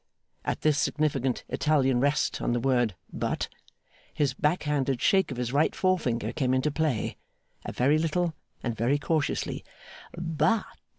At this significant Italian rest on the word 'But,' his backhanded shake of his right forefinger came into play; a very little, and very cautiously. 'But!